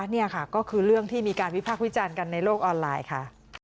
นี่ค่ะก็คือเรื่องที่มีการวิพากษ์วิจารณ์กันในโลกออนไลน์ค่ะ